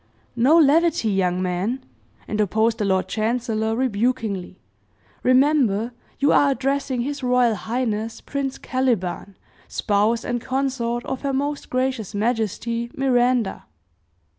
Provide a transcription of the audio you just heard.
"No levity, young man!" interposed the lord chancellor, rebukingly; "remember, you are addressing His Royal Highness Prince Caliban, Spouse, and Consort of Her Most Gracious Majesty, Miranda!"